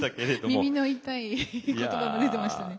耳の痛い言葉も出てましたね。